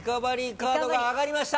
カード挙がりました。